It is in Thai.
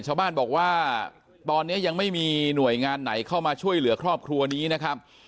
ชาวบ้านบอกว่าตอนนี้ยังไม่มีหน่วยงานไหนเข้ามาช่วยเหลือครอบครัวนี้นะครับ